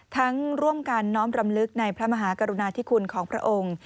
ร่วมกันน้อมรำลึกในพระมหากรุณาธิคุณของพระองค์